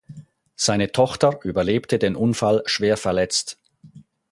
Seine Tochter überlebte den Unfall schwerverletzt.